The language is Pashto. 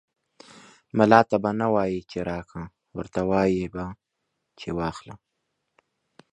ملا ته به نه وايي چې راکه ، ورته وايې به چې واخله.